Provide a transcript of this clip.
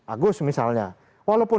agus misalnya walaupun